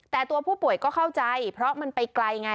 แต่ตัวผู้ป่วยก็เข้าใจเพราะมันไปไกลไง